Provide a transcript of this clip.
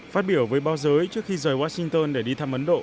phát biểu với báo giới trước khi rời washington để đi thăm ấn độ